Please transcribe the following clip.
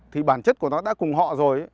thì bản chất của nó đã cùng họ rồi